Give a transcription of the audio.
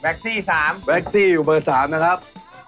แว๊กซี่๓แว๊กซี่อยู่เบอร์๓นะครับ